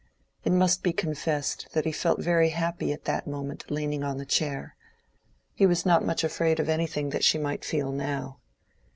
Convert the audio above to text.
It must be confessed that he felt very happy at that moment leaning on the chair. He was not much afraid of anything that she might feel now.